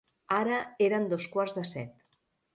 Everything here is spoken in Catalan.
Ara eren dos quarts de set.